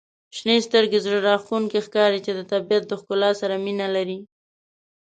• شنې سترګي زړه راښکونکي ښکاري چې د طبیعت د ښکلا سره مینه لري.